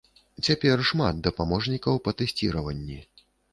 Цяпер шмат дапаможнікаў па тэсціраванні.